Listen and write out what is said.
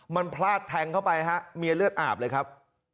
มันพลาดแทงเข้าไปฮะเมียเลือดอาบเลยครับ